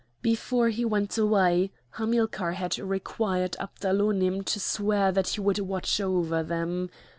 Before he went away Hamilcar had required Abdalonim to swear that he would watch over them.